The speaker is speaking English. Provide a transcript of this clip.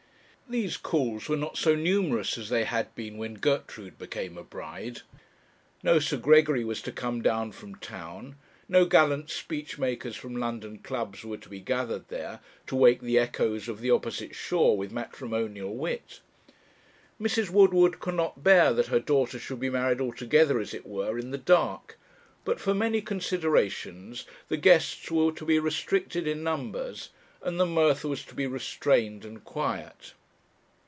These calls were not so numerous as they had been when Gertrude became a bride. No Sir Gregory was to come down from town, no gallant speech makers from London clubs were to be gathered there, to wake the echoes of the opposite shore with matrimonial wit. Mrs. Woodward could not bear that her daughter should be married altogether, as it were, in the dark; but for many considerations the guests were to be restricted in numbers, and the mirth was to be restrained and quiet.